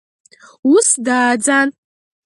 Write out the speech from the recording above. Ус дааӡан.